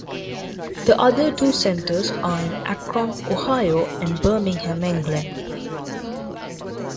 The other two centers are in Akron, Ohio and Birmingham, England.